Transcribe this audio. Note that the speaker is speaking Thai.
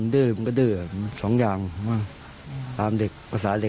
มันเด้อมันก็ด้วยสองอย่างแบบเด็กประสาเหตุ